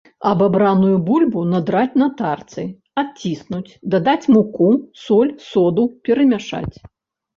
Абабраную бульбу надраць на тарцы, адціснуць, дадаць муку, соль, соду, перамяшаць.